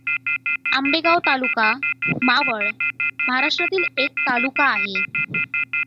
आंबेगाव तालुका, मावळ महाराष्ट्रातील एक तालुका आहे.